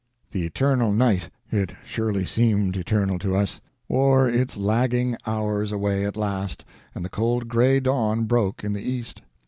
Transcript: "The eternal night it surely seemed eternal to us wore its lagging hours away at last, and the cold gray dawn broke in the east.